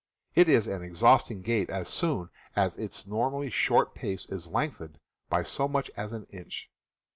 It is an exhausting gait as soon as its normally short pace is lengthened by so much as an inch.